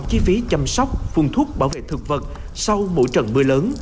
chi phí chăm sóc phun thuốc bảo vệ thực vật sau mỗi trận mưa lớn